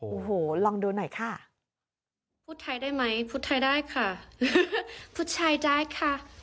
โอ้โหลองดูหน่อยค่ะ